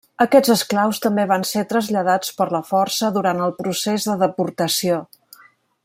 Aquests esclaus també van ser traslladats per la força durant el procés de deportació.